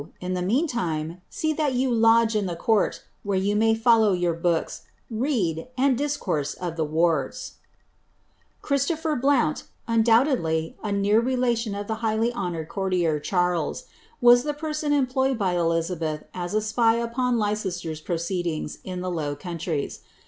In die mean time, see that you Iwlge in the court, where you may follow your books, read, and discourse of the ' AauntOQ, » Slowe. ■ Naunion. ' Ibid, l,QiciBlo[)her Blount,' unJoubtetily a near relation of the highly ■oureil courtier, Charles, was ihe person employed by Elizabeth ai I'lpy upon Leicester's proceedings in the Low Countries.